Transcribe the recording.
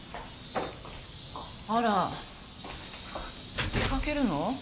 あら出かけるの？